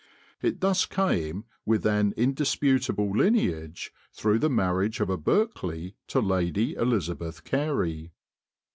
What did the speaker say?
It thus came with an indisputable lineage through the marriage of a Berkeley to Lady Elizabeth Carey.